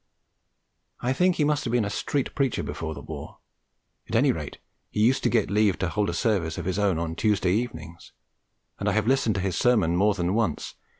I think he must have been a street preacher before the war; at any rate he used to get leave to hold a service of his own on Tuesday evenings, and I have listened to his sermon more than once.